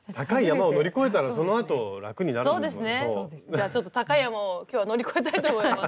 じゃあちょっと高い山を今日は乗り越えたいと思います。